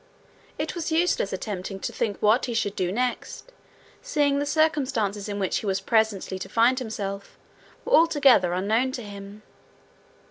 It was useless attempting to think what he should do next, seeing the circumstances in which he was presently to find himself were altogether unknown to him.